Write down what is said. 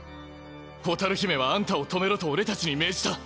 蛍姫はあんたを止めろと俺たちに命じた。